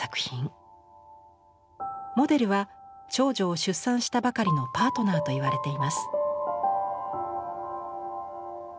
モデルは長女を出産したばかりのパートナーといわれています。